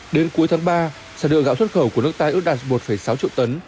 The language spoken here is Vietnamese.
đến cuối tháng ba sản lượng gạo xuất khẩu của nước ta ước đạt một sáu triệu tấn